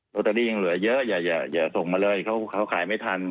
ตเตอรี่ยังเหลือเยอะอย่าส่งมาเลยเขาขายไม่ทัน